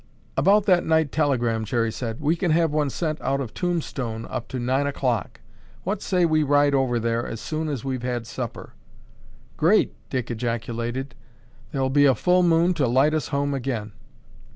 "About that night telegram," Jerry said. "We can have one sent out of Tombstone up to nine o'clock. What, say that we ride over there as soon as we've had supper." "Great!" Dick ejaculated. "There'll be a full moon to light us home again."